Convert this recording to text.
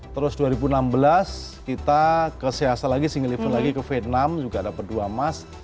terus dua ribu enam belas kita ke siasa lagi single event lagi ke vietnam juga dapat dua emas